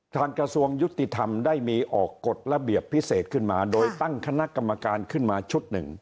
กระทรวงยุติธรรมได้มีออกกฎระเบียบพิเศษขึ้นมาโดยตั้งคณะกรรมการขึ้นมาชุดหนึ่ง